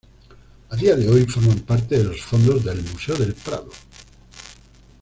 A día de hoy, forman parte de los fondos del Museo del Prado.